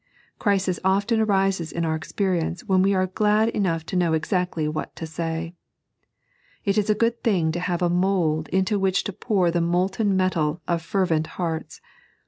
Crises often arise in our experience when we are glad enough to know exactly what to say. It is a good thing to have a mould into which to pour the molten metal of fervent hearts.